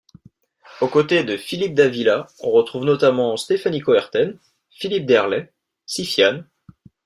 Au côté de Philippe d'Avilla, on retrouve notamment Stéphanie Coerten, Philippe Derlet, Sifiane...